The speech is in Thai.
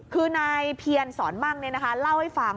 คือนายเพียรสอนมั่งเนี่ยนะคะเล่าให้ฟัง